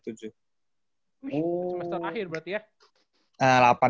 semester akhir berarti ya